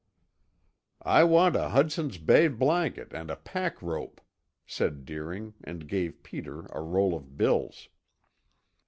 "I want a Hudson's Bay blanket and a pack rope," said Deering and gave Peter a roll of bills.